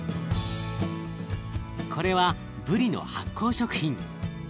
これは鰤の発酵食品。